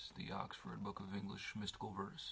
The Oxford Book of English Mystical Verse.